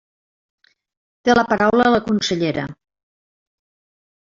Té la paraula la consellera.